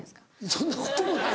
そんなこともない